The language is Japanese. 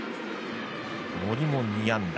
森も２安打。